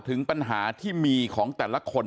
ถึงปัญหาที่มีของแต่ละคน